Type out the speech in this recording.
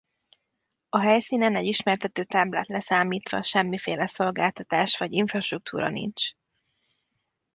A helyszínen egy ismertető táblát leszámítva semmiféle szolgáltatás vagy infrastruktúra nincs.